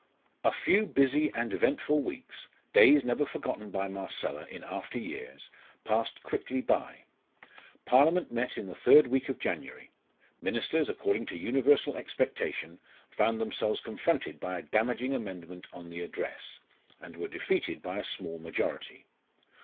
A few busy and eventful weeks, days never forgotten by Marcella in after years, passed quickly by. Parliament met in the third week of January. Ministers, according to universal expectation, found themselves confronted by a damaging amendment on the Address, and were defeated by a small majority.